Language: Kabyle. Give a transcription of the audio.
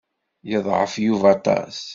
Yeḍɛef Yuba aṭas.